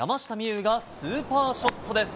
有がスーパーショットです。